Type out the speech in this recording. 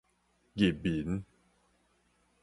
入眠